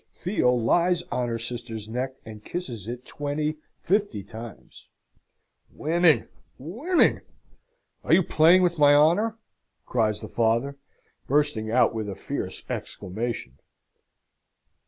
Theo lies on her sister's neck, and kisses it twenty, fifty times. "Women, women! are you playing with my honour?" cries the father, bursting out with a fierce exclamation.